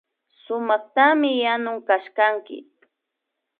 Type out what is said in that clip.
Sumaktami yanun kashkanki